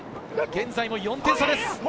現在も４点差です。